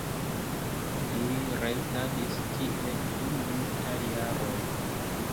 Ili restadis tie dum multaj jaroj.